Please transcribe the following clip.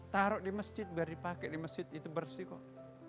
taruh di masjid biar dipakai di masjid itu bersih kok